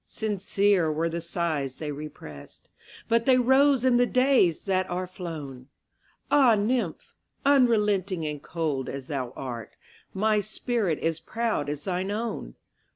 Sincere were the sighs they represt, But they rose in the days that are flown! Ah, nymph! unrelenting and cold as thou art, My spirit is proud as thine own!